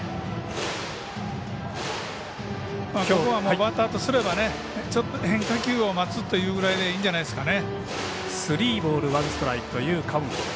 バッターとすれば変化球を待つというぐらいでいいんじゃないですかね。